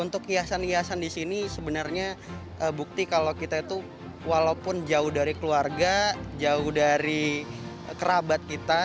untuk hiasan hiasan di sini sebenarnya bukti kalau kita itu walaupun jauh dari keluarga jauh dari kerabat kita